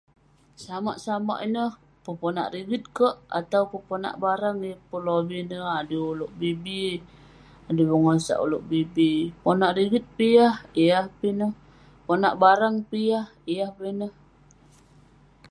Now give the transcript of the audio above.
Samak samak ineh. Peponak rigit kek, atau peponak barang. Yeng pun lobih neh, adui ulouk bi bi. Adui bengosak ulouk bi bi. Ponak rigit peh yah, yah peh ineh. Ponak barang peh yah, yah peh ineh.